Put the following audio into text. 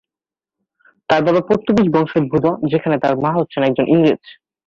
তার বাবা পর্তুগিজ বংশোদ্ভূত যেখানে তার মা হচ্ছেন একজন ইংরেজ।